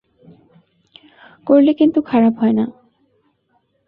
করলে কিন্তু খারাপ হয় না?